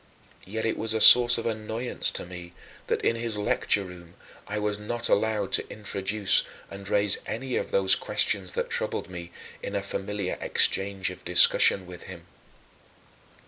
Yet it was a source of annoyance to me that, in his lecture room, I was not allowed to introduce and raise any of those questions that troubled me, in a familiar exchange of discussion with him.